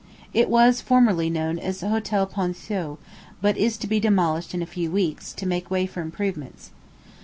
It was formerly known as the Hotel Ponthieu, but is to be demolished in a few weeks, to make way for improvements.